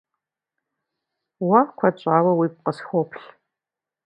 Уэ куэд щӏауэ уигу къысхуоплъ.